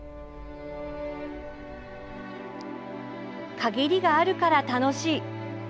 「限りがあるから楽しい」。